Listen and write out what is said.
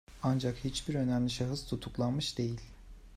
Ancak hiçbir önemli şahıs tutuklanmış değil.